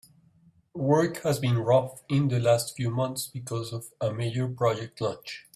Work has been rough in the last few months because of a major project launch.